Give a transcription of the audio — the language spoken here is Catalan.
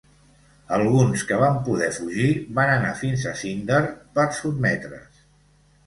Alguns que van poder fugir van anar fins a Zinder per sotmetre's.